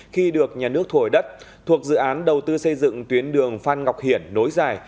khi được nhà nước thổi đất thuộc dự án đầu tư xây dựng tuyến đường phan ngọc hiển nối dài